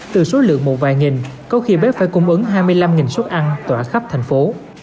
từ số lượng một vài nghìn có khi bếp phải cung ứng hai mươi năm suất ăn tỏa khắp thành phố